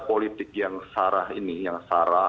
politik yang sara ini yang sara